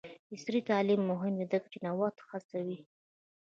عصري تعلیم مهم دی ځکه چې نوښت هڅوي.